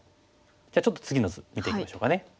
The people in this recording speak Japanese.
じゃあちょっと次の図見ていきましょうかね。